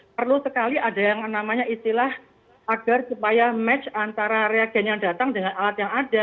perlu sekali ada yang namanya istilah agar supaya match antara reagen yang datang dengan alat yang ada